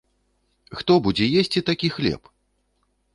Хто будзе есці такі хлеб?